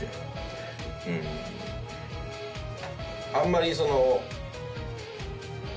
あんまりその。